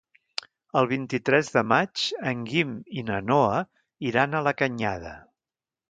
El vint-i-tres de maig en Guim i na Noa iran a la Canyada.